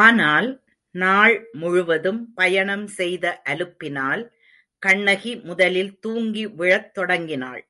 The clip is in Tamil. ஆனால், நாள் முழுவதும் பயணம் செய்த அலுப்பினால் கண்ணகி முதலில் தூங்கி விழத் தொடங்கினாள்.